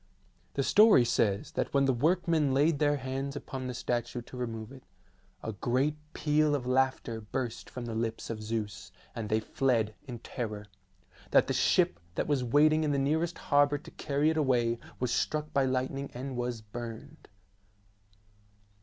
The story says that when the work men laid their hands upon the statue to remove it, a great peal of laughter burst from the lips of Zeus, and they fled in terror; that the ship that was waiting in the nearest harbour to carry it away was struck by lightning and was burned.